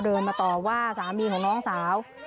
มาต่อว่าสามีของน้องสาว